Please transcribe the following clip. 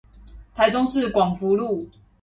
台中市廣福路